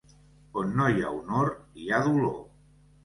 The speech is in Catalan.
On no hi ha honor hi ha dolor.